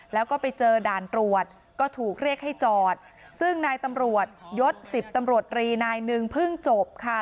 แล้วก็ไปเจอด่านตรวจก็ถูกเรียกให้จอดซึ่งนายตำรวจยศ๑๐ตำรวจรีนายหนึ่งเพิ่งจบค่ะ